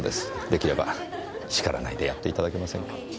できれば叱らないでやっていただけませんか？